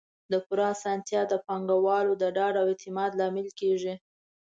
د پور اسانتیا د پانګوالو د ډاډ او اعتماد لامل کیږي.